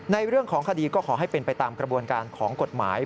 ในเรื่องของคดีก็ขอให้เป็นไปตามกระบวนการของกฎหมาย